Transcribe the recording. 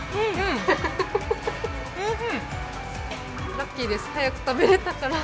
ラッキーです、早く食べれたから。